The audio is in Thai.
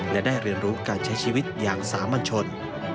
และได้เรียนรู้การใช้ชีวิตอย่างสามัญชน